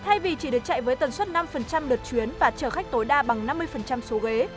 thay vì chỉ được chạy với tần suất năm đợt chuyến và chở khách tối đa bằng năm mươi số ghế